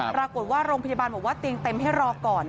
ปรากฏว่าโรงพยาบาลบอกว่าเตียงเต็มให้รอก่อน